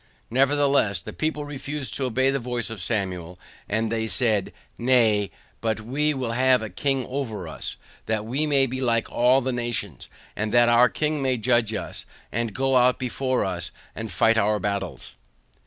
NEVERTHELESS THE PEOPLE REFUSED TO OBEY THE VOICE OF SAMUEL, AND THEY SAID, NAY, BUT WE WILL HAVE A KING OVER US, THAT WE MAY BE LIKE ALL THE NATIONS, AND THAT OUR KING MAY JUDGE US, AND GO OUT BEFORE US, AND FIGHT OUR BATTLES.